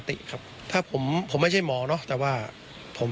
ส่งมาให้โอโนเฟอร์เรเวอร์